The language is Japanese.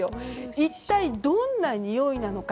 一体どんなにおいなのか。